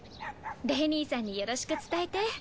レニーさんによろしく伝えて。